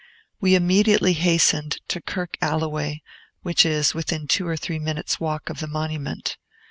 We immediately hastened to Kirk Alloway, which is within two or three minutes' walk of the monument.